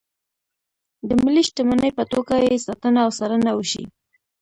د ملي شتمنۍ په توګه یې ساتنه او څارنه وشي.